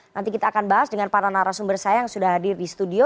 nanti kita akan bahas dengan para narasumber saya yang sudah hadir di studio